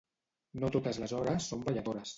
No totes les hores són balladores.